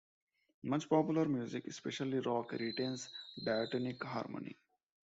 Much popular music, especially rock, retains diatonic harmony.